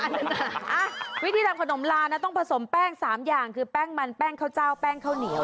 วิธีทำขนมลานะต้องผสมแป้ง๓อย่างคือแป้งมันแป้งข้าวเจ้าแป้งข้าวเหนียว